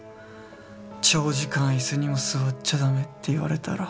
長時間椅子にも座っちゃ駄目」って言われたら。